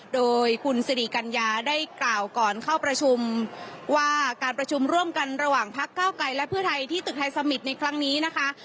โดยคุณสิริกัญญาได้กล่าวก่อนเข้าประชุมว่าการประชุมร่วมกันระหว่างพักเก้าไกลและเพื่อไทยที่ตึกไทยสมิตรในครั้งนี้นะคะ